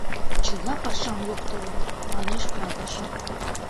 — Чыла пашам локтылын, — манеш прапорщик.